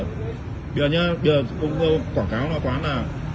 thế bây giờ là ông ăn bây giờ nhớ bây giờ ông quảng cáo quán là